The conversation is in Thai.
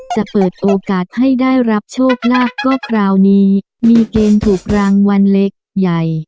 จะเปิดโอกาสให้ได้รับโชคลาภก็คราวนี้มีเกณฑ์ถูกรางวัลเล็กใหญ่